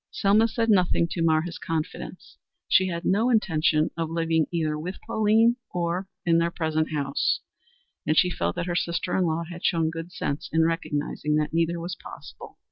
Selma said nothing to mar his confidence. She had no intention of living either with Pauline or in their present house, and she felt that her sister in law had shown good sense in recognizing that neither was possible.